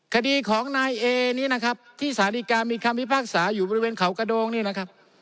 คดีของนายเอนี้นะครับที่สารดีการมีคำพิพากษาอยู่บริเวณเขากระโดงนี่นะครับ